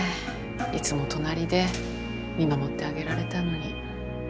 いつも隣で見守ってあげられたのに。